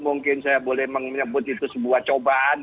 mungkin saya boleh menyebut itu sebuah cobaan